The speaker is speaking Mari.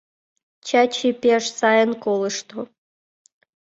Чачи пеш сайын колышто.